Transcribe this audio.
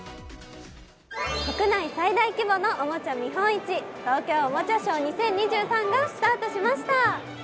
国内最大規模のおもちゃ見本市、東京おもちゃショー２０２３がスタートしました。